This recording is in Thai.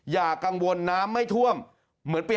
อย่ากังวลน้ำไม่ท่วมเหมือนปี๒๕